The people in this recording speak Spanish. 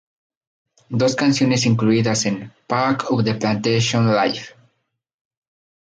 Dos canciones incluidas en "Pack Up the Plantation: Live!